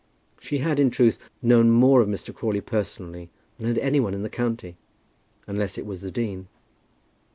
She had, in truth, known more of Mr. Crawley personally, than had any one in the county, unless it was the dean.